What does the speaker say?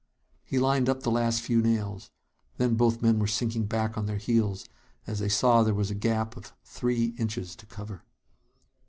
He lined up the last few nails. Then both men were sinking back on their heels, as they saw there was a gap of three inches to cover!